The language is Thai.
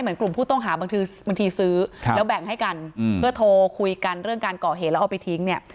กลุ่มผู้ต้องหาบางทีซื้อแล้วแบ่งให้กันเพื่อโทรคุยกันเรื่องการก่อเหตุแล้วเอาไปทิ้งเนี่ย